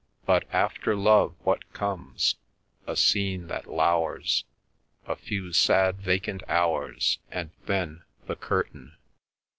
But—after love what comes? A scene that lours, A few sad vacant hours, And then, the Curtain.